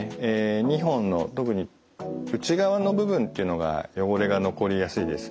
２本の特に内側の部分っていうのが汚れが残りやすいです。